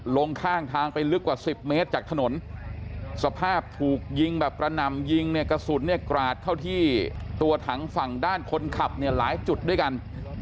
ลงข้างทางไปลึกกว่า๑๐เมตรจากถนนสภาพถูกยิงแบบกระหน่ำยิงเนี่ยกระสุนเนี่ยกราดเข้าที่ตัวถังฝั่งด้านคนขับเนี่ยหลายจุดด้วยกัน